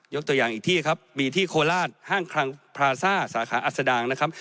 ตัวอย่างอีกที่ครับมีที่โคราชห้างคลังพราซ่าสาขาอัศดางนะครับ